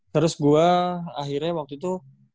terus gue akhirnya waktu itu